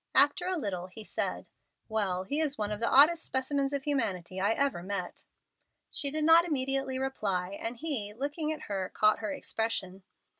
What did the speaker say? After a little he said, "Well, he is one of the oddest specimens of humanity I ever met." She did not immediately reply, and he, looking at her, caught her expression.